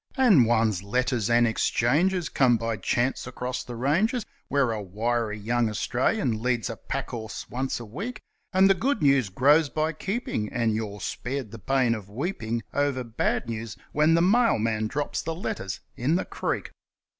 And one's letters and exchanges come by chance across the ranges, Where a wiry young Australian leads a pack horse once a week, And the good news grows by keeping, and you're spared the pain of weeping Over bad news when the mailman drops the letters in the creek.